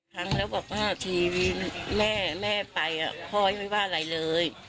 ครั้งแล้วบอกว่าทีวีแม่แม่ไปพ่อยังไม่ว่าอะไรเลย